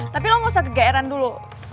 tapi lo gak usah kegeeran dulu